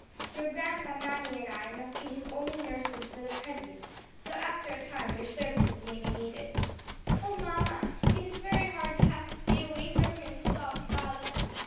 Your grandpa, mammy and I must be his only nurses for the present; though after a time your services may be needed." "O mamma, it is very hard to have to stay away from him," sobbed Violet.